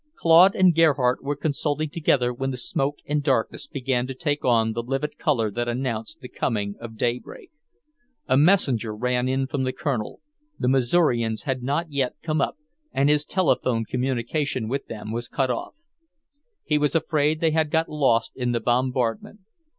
Claude and Gerhardt were consulting together when the smoke and darkness began to take on the livid colour that announced the coming of daybreak. A messenger ran in from the Colonel; the Missourians had not yet come up, and his telephone communication with them was cut off. He was afraid they had got lost in the bombardment.